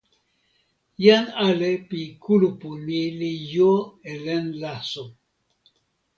jan ale pi kulupu ni li jo e len laso.